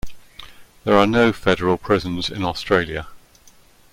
There are no federal prisons in Australia.